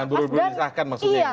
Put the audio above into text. jangan buru buru disahkan maksudnya ya